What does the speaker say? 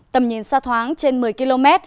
tầm nhìn xa thoáng trên một mươi km